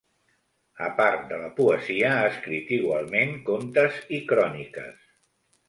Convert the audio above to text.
A part de la poesia, ha escrit igualment contes i cròniques.